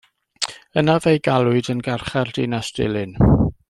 Yna fe'i galwyd yn Garchar Dinas Dulyn.